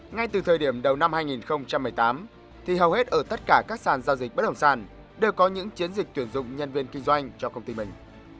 ngay từ thời điểm đầu năm hai nghìn một mươi tám thì hầu hết ở tất cả các sàn giao dịch bất động sản đều có những chiến dịch tuyển dụng nhân viên kinh doanh cho công ty mình